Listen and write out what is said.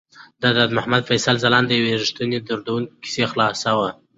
دا د محمد فیصل ځلاند د یوې رښتونې او دردونکې کیسې خلاصه وه.